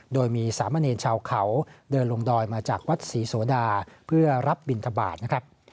โดยมีสามเณรชาวเขาเดินลงดอยมาจากวัดศรีโสดาเพื่อรับบินทบาทนะครับ